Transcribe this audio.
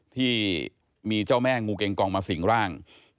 ที่มีเจ้าแม่งูเกงกองมาสิ่งร่าง